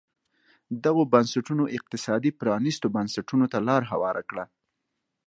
دغو بنسټونو اقتصادي پرانیستو بنسټونو ته لار هواره کړه.